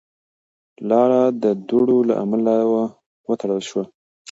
لار د دوړو له امله وتړل شوه.